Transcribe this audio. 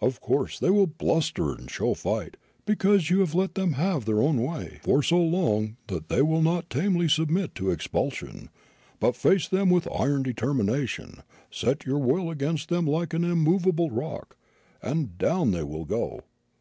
Of course, they will bluster and show fight, because you have let them have their own way for so long that they will not tamely submit to expulsion; but face them with iron determination, set your will against them like an immovable rock, and down they will go.